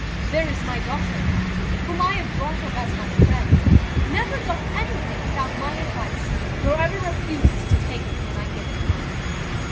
There is my daughter, now, whom I have brought up as my friend, never doth anything without my advice, nor ever refuses to take it when I give it her."